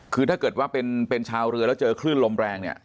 คือถ้าเกิดว่าเป็นชาวเรือแล้วเจอคลื่นลมแรงเนี่ย